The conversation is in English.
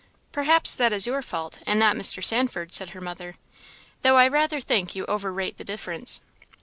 "Perhaps that is your fault, and not Mr. Sandford's," said her mother; "though I rather think you overrate the difference."